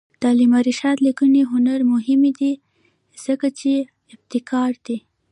د علامه رشاد لیکنی هنر مهم دی ځکه چې ابتکاري دی.